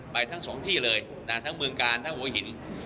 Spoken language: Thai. ทั้งสองที่เลยทั้งเมืองกาลทั้งหัวหิน